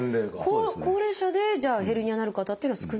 高齢者でじゃあヘルニアになる方っていうのは少ないんですか？